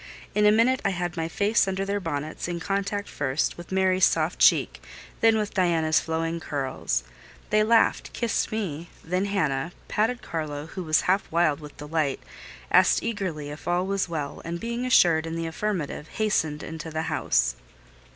In a minute I had my face under their bonnets, in contact first with Mary's soft cheek, then with Diana's flowing curls. They laughed—kissed me—then Hannah: patted Carlo, who was half wild with delight; asked eagerly if all was well; and being assured in the affirmative, hastened into the house.